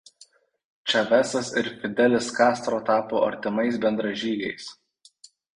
Čavesas ir Fidelis Kastro tapo artimais bendražygiais.